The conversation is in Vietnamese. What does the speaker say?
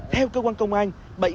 theo cơ quan công an